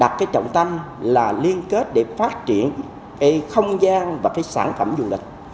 đặt cái trọng tâm là liên kết để phát triển cái không gian và cái sản phẩm du lịch